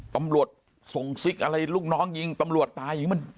ตำรวจส่งซิกอะไรลูกน้องยิงตำรวจตาย